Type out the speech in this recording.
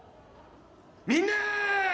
みんなー！